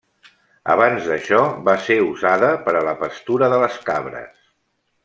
Abans d'això va ser usada per a la pastura de les cabres.